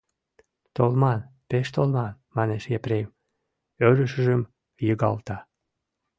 — Толман, пеш толман, — манеш Епрем, ӧрышыжым йыгалта.